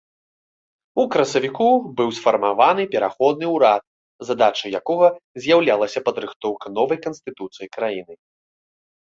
У красавіку быў сфармаваны пераходны ўрад, задачай якога з'яўлялася падрыхтоўка новай канстытуцыі краіны.